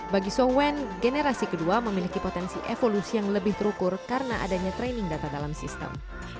bagi so wen generasi kedua memiliki potensi evolusi yang lebih terukur karena adanya training data dalam sistem